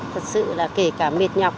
thật sự là kể cả mệt nhọc